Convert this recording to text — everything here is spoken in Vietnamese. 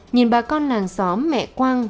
nhìn bà con làng xóm mẹ quang